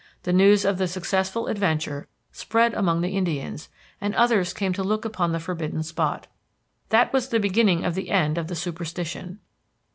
The news of the successful adventure spread among the Indians, and others came to look upon the forbidden spot. That was the beginning of the end of the superstition.